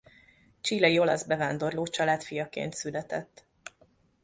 Chilei olasz bevándorló család fiaként született.